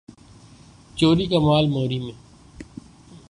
چوری کا مال موری میں